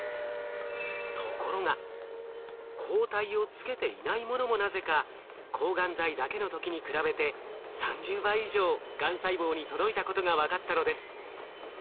ところが抗体をつけていないものもなぜか抗がん剤だけの時に比べて３０倍以上がん細胞に届いたことが分かったのです。